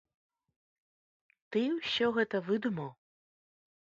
Ты ўсё гэта выдумаў!